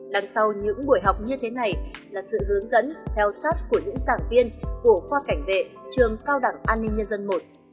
đằng sau những buổi học như thế này là sự hướng dẫn theo sát của những giảng viên của khoa cảnh vệ trường cao đẳng an ninh nhân dân i